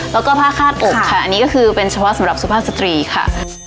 แล้วก็ผ้าคาดอกค่ะอันนี้ก็คือเป็นเฉพาะสำหรับสุภาพสตรีค่ะ